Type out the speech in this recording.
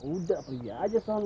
udah pergi aja son